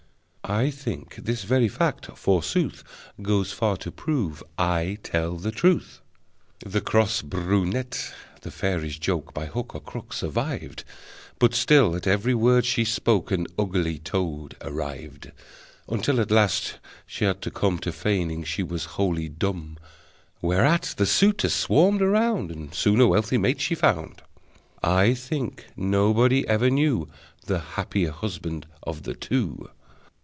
(I think this very fact, forsooth, Goes far to prove I tell the truth!) The cross brunette the fairy's joke By hook or crook survived, But still at every word she spoke An ugly toad arrived, Until at last she had to come To feigning she was wholly dumb, Whereat the suitors swarmed around, And soon a wealthy mate she found. (I think nobody ever knew The happier husband of the two!)